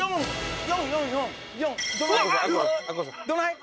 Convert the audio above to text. どない？